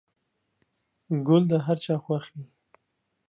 گل د هر چا خوښ وي.